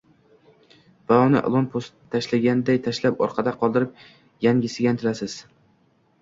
Va uni ilon po’st tashlaganday tashlab, orqada qoldirib, yangisiga intilasiz.